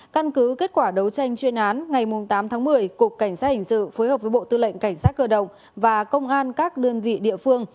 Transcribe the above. căn cứ kết quả đấu tranh chuyên án ngày tám tháng một mươi cục cảnh sát hình sự phối hợp với bộ tư lệnh cảnh sát cơ động và công an các đơn vị địa phương